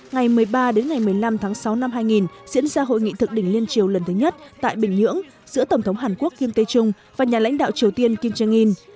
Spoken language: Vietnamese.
ngày một mươi ba đến ngày một mươi năm tháng sáu năm hai nghìn diễn ra hội nghị thượng đỉnh liên triều lần thứ nhất tại bình nhưỡng giữa tổng thống hàn quốc kim tây trung và nhà lãnh đạo triều tiên kim jong un